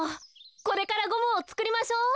これからゴムをつくりましょう。